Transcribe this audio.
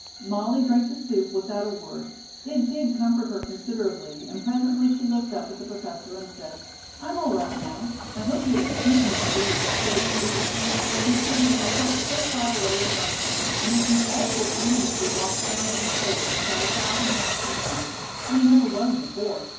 Molly drank the soup without a word. It did comfort her considerably and presently she looked up at the professor and said: "I'm all right now. I hope you'll excuse me for being so silly and weak. You see I felt so far away and lonesome and it's an awful feeling to be locked out in the cold about a thousand miles from home. I never was before."